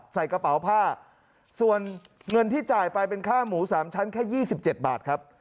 ใส่กระเป๋าผ้าส่วนเงินที่จ่ายไปเป็นค่าหมู๓ชั้นแค่๒๗บาทครับ